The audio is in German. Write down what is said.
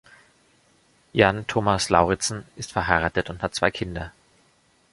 Jan Thomas Lauritzen ist verheiratet und hat zwei Kinder.